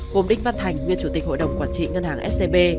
gồm đinh văn thành nguyên chủ tịch hội đồng quản trị ngân hàng scb